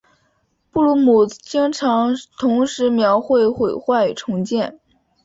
布鲁姆经常同时描绘毁坏与重建。